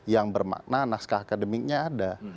yang bermakna naskah akademiknya ada